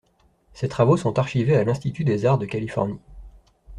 Ses travaux sont archivés à L'Institut des Arts de Californie.